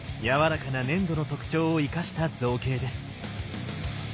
やわらかな粘土の特徴を生かした造形です。